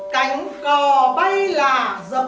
cánh cò bay lạ dập dờn